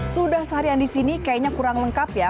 sudah seharian di sini kayaknya kurang lengkap ya